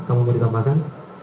kamu mau ditambahkan